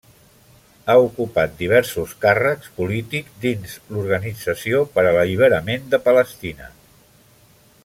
Ha ocupat diversos càrrecs polítics dins l'Organització per a l'Alliberament de Palestina.